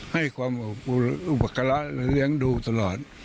ให้ความบุคละเลี้ยงดูตลอด